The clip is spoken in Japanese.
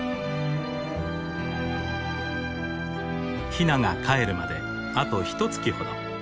ヒナがかえるまであとひとつきほど。